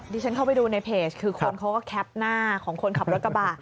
ที่ฉันเข้าไปดูในเพจคือคนเขาก็แคปหน้าของคนขับรถกระบะ